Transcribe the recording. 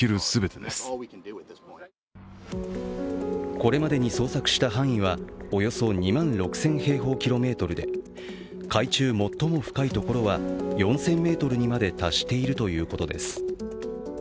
これまでに捜索した範囲はおよそ２万６０００平方キロメートルで海中最も深いところは４０００ｍにまで達しているということです。